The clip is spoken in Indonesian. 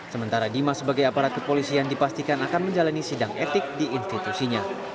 sementara dimas sebagai aparat kepolisi yang dipastikan akan menjalani sidang etik di institusinya